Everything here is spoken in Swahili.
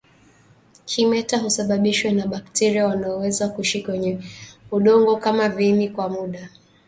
Kimeta husababishwa na bakteria wanaoweza kuishi kwenye udongo kama viini kwa muda